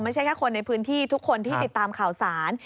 ไม่ใช่แค่คนในพื้นที่ทุกคนที่ติดตามข่าวสาร